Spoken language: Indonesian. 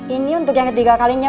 ini untuk yang ketiga kalinya